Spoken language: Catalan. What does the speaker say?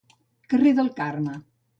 Carrer del Carme.